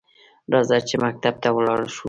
راځه چې مکتب ته لاړشوو؟